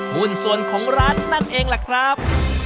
หุ้นส่วนของร้านนั่นเองล่ะครับ